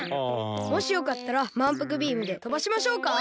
もしよかったらまんぷくビームでとばしましょうか？